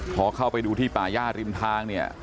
พอเข้าไปดูที่ป่าย่าริมทางเนี่ย